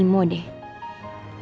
itu semua asthma